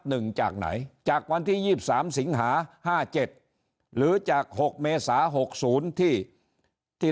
หนึ่งจากไหนจากวันที่๒๓สิงหาห้าเจ็ดหรือจากหกเมษา๖๐ที่ที่